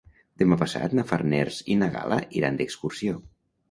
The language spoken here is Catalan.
Demà passat na Farners i na Gal·la iran d'excursió.